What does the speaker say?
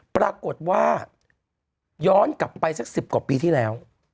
ปรากฏว่าย้อนกลับไปสัก๑๐กว่าปีที่แล้ว